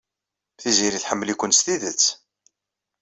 Tiziri tḥemmel-iken s tidet.